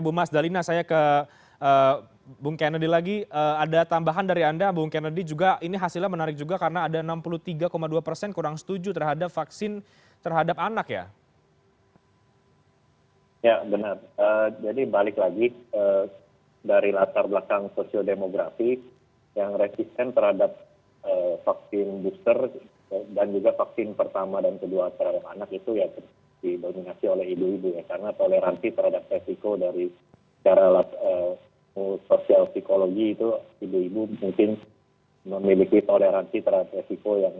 pola data ini sebenarnya pernah kita lihat ya